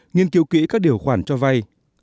hai nghiên cứu kỹ các điều khoản cho vay